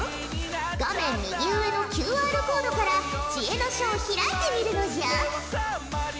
画面右上のＱＲコードから知恵の書を開いてみるのじゃ。